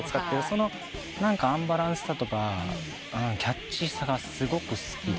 そのアンバランスさとかキャッチーさがすごく好きで。